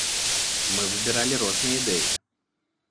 Мы выбіралі розныя ідэі.